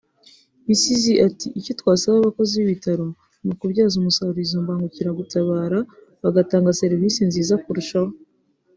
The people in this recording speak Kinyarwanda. Bisizi ati “Icyo twasaba abakozi b’ibitaro ni ukubyaza umusaruro izo mbangukiragutabara bagatanga serivisi nziza kurushaho